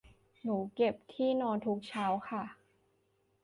หนูเก็บที่นอนทุกเช้าค่ะ